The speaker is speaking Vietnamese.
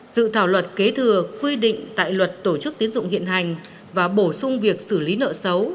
dự thảo luật kế thừa quy định tại luật tổ chức tiến dụng hiện hành và bổ sung việc xử lý nợ xấu